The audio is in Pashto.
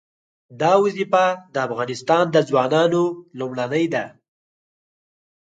دا وظیفه د افغانستان د ځوانانو لومړنۍ ده.